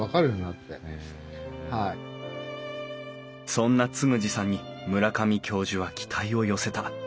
そんな嗣二さんに村上教授は期待を寄せた。